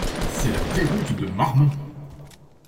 C'est la déroute de Marmont!